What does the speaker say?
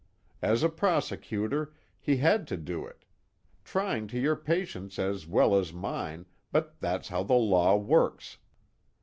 As a prosecutor, he had to do it; trying to your patience as well as mine, but that's how the law works.